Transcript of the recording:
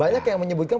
banyak yang menyebutkan